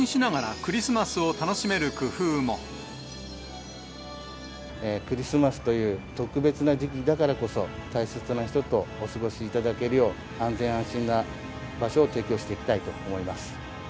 クリスマスという特別な時期だからこそ、大切な人とお過ごしいただけるよう、安全安心な場所を提供していきたいと思います。